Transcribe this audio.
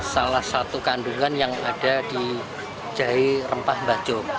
salah satu kandungan yang ada di jahe rempah bajo